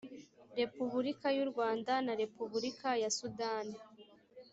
repubulika y u rwanda na repubulika ya sudani